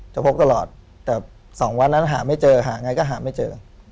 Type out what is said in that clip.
พบตลอดแต่๒วันนั้นหาไม่เจอหาไงก็หาไม่เจอ